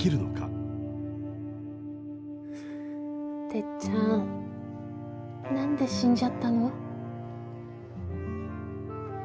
てっちゃん何で死んじゃったの？